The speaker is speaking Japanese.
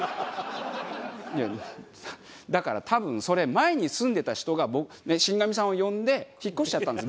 いやだから多分それ前に住んでた人が死神さんを呼んで引っ越しちゃったんです。